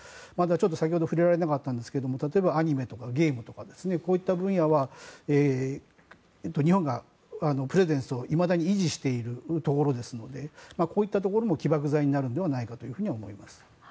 先ほど触れられなかったんですが例えばアニメとかゲームとかこういった分野は日本がプレゼンスをいまだに維持しているところですのでこういったところも起爆剤になるのではないかと思います。